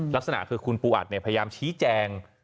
ลักษณะคือคุณปูอัดพยายามชี้แจง